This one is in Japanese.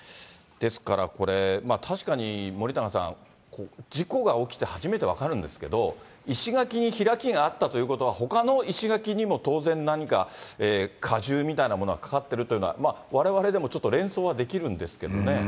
ですからこれ、確かに森永さん、事故が起きて初めて分かるんですけど、石垣に開きがあったということは、ほかの石垣にも当然何か、加重みたいなものはかかっているというのは、われわれでもちょっと連想はできるんですけどね。